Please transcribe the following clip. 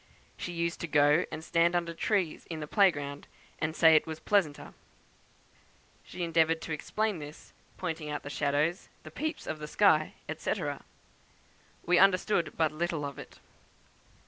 She used to go and stand under the trees in the play ground, and say it was pleasanter. She endeavoured to explain this, pointing out the shadows, the peeps of sky, &c. We understood but little of it.